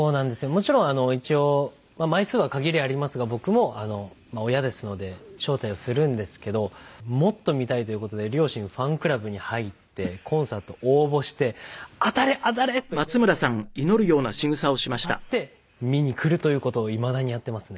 もちろん一応枚数は限りありますが僕も親ですので招待をするんですけどもっと見たいという事で両親ファンクラブに入ってコンサート応募して「当たれ！当たれ！」と祈りながら日々を待ち当たって見に来るという事をいまだにやってますね。